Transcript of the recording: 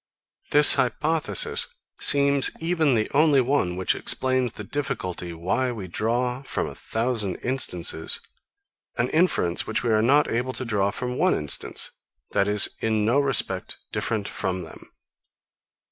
This hypothesis seems even the only one which explains the difficulty, why we draw, from a thousand instances, an inference which we are not able to draw from one instance, that is, in no respect, different from them.